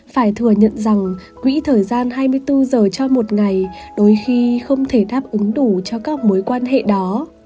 phải thừa nhận rằng quỹ thời gian hai mươi bốn giờ cho một ngày đôi khi không thể đáp ứng đủ cho các mối quan hệ đó